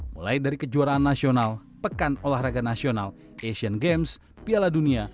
mulai dari kejuaraan nasional pekan olahraga nasional asian games piala dunia